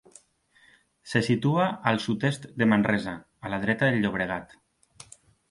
Se situa al sud-est de Manresa, a la dreta del Llobregat.